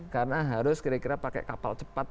karena harus kira kira pakai kapal cepat